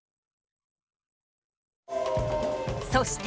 そして！